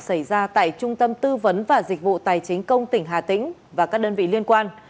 xảy ra tại trung tâm tư vấn và dịch vụ tài chính công tỉnh hà tĩnh và các đơn vị liên quan